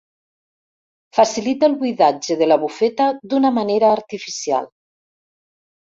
Facilita el buidatge de la bufeta d'una manera artificial.